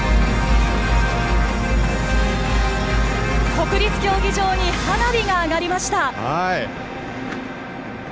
国立競技場に花火が上がりました。